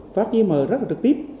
phát giấy mở rất là trực tiếp